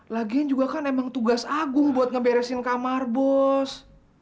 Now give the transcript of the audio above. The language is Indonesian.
lagiin juga kan emang tugas agung buat ngeberesin kamar bus